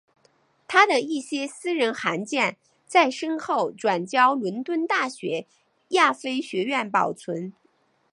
他的一些私人函件在身后转交伦敦大学亚非学院保存。